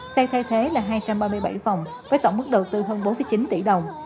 xe thay thế là hai trăm ba mươi bảy phòng với tổng mức đầu tư hơn bốn chín tỷ đồng